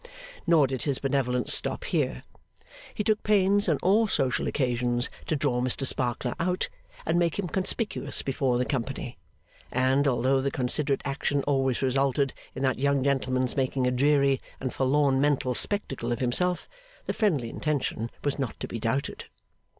Nor did his benevolence stop here. He took pains, on all social occasions, to draw Mr Sparkler out, and make him conspicuous before the company; and, although the considerate action always resulted in that young gentleman's making a dreary and forlorn mental spectacle of himself, the friendly intention was not to be doubted.